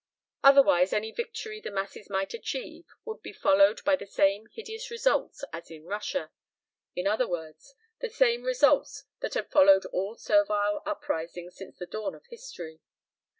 Otherwise any victory the masses might achieve would be followed by the same hideous results as in Russia in other words, the same results that had followed all servile uprisings since the dawn of history.